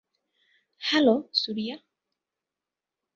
Hello, Surya.